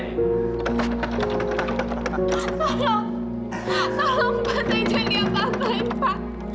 tolong tolong bantai jangan dia bantai pak